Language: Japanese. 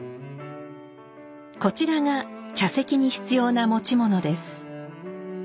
こちらが茶席に必要な持ち物です。